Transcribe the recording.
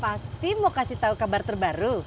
pasti mau kasih tahu kabar terbaru